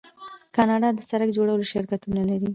کاناډا د سړک جوړولو شرکتونه لري.